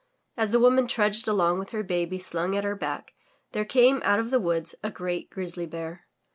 As the woman trudged along with her baby slung at her back, there came out of the woods a great Grizzly Bear.